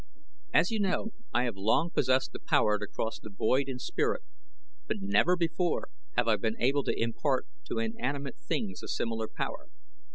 As you know I have long possessed the power to cross the void in spirit, but never before have I been able to impart to inanimate things a similar power.